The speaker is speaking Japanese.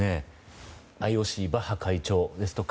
ＩＯＣのバッハ会長ですとか